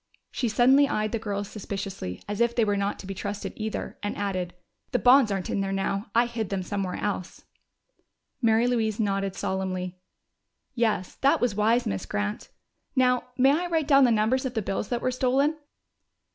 She suddenly eyed the girls suspiciously, as if they were not to be trusted either, and added, "The bonds aren't in there now! I hid them somewhere else." Mary Louise nodded solemnly. "Yes, that was wise, Miss Grant.... Now, may I write down the numbers of the bills that were stolen?"